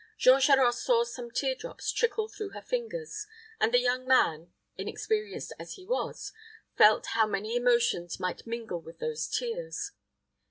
Jean Charost saw some tear drops trickle through her fingers, and the young man, inexperienced as he was, felt how many emotions might mingle with those tears.